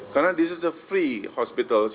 karena ini adalah hospital yang gratis